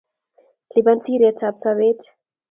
Liban siret tab sobet